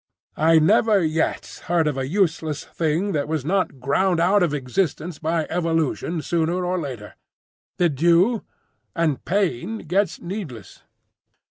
I never yet heard of a useless thing that was not ground out of existence by evolution sooner or later. Did you? And pain gets needless.